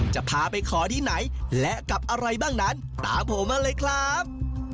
จะพาไปขอที่ไหนและกับอะไรบ้างนั้นตามผมมาเลยครับ